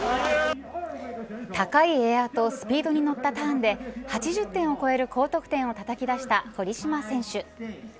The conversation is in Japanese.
高いエアとスピードに乗ったターンで８０点を超える高得点をたたき出した堀島選手。